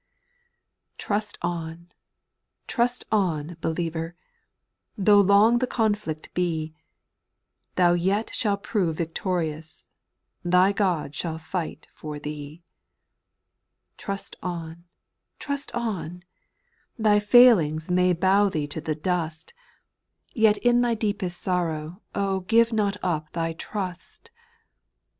mRUST on, trust on, believer 1 X Though long the conflict be, Thou yet shalt prove victorious, Thy God shall fight for thee. 2. Trust on, trust on 1 thy failings May how thee to the dust •, spinrruAL songs. svt Yet in thy deepest sorrow Ob, give not up thy trust.